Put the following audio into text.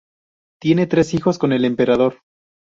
Tiene tres hijos con el emperador.